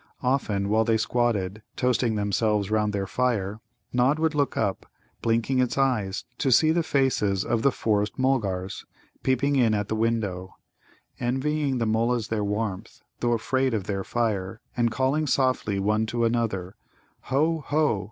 Often while they squatted, toasting themselves round their fire, Nod would look up, blinking his eyes, to see the faces of the Forest mulgars peeping in at the window, envying the Mullas their warmth, though afraid of their fire, and calling softly one to another: "Ho, ho!